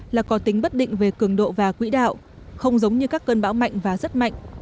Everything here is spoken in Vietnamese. là có tính bất định về cường độ và quỹ đạo không giống như các cơn bão mạnh và rất mạnh